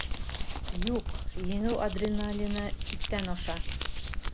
— Юҡ, еңеү адреналины сиктән аша!